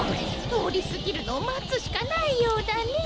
とおりすぎるのをまつしかないようだねえ。